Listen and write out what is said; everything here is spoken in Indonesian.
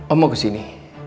om mau ke sini